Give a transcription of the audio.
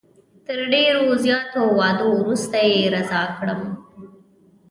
تر ډېرو زیاتو وعدو وروسته یې رضا کړم.